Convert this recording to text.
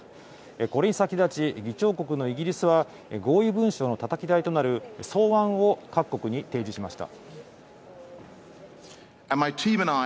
これに先立ち議長国のイギリスは合意文書のたたき上げとなる草案を各国に提示しました。